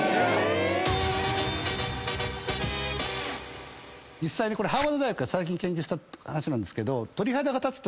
実際にハーバード大学が最近研究した話なんですけど。